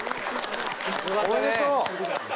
おめでとう！